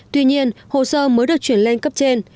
tuy nhiên hồ sơ mới được chuyển lên cấp trên